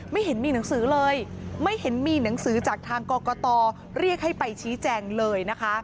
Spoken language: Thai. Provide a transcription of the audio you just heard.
ไม่เห็นมีหนังสือเลยไม่เห็นมีหนังสือจากทางกรกตเรียกให้ไปชี้แจงเลยนะคะ